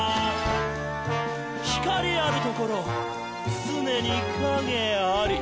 「光あるところ、つねに影あり！」